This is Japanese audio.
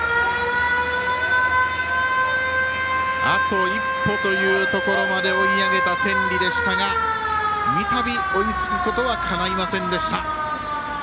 あと一歩というところまで追い上げた天理ですが三度、追いつくことはかないませんでした。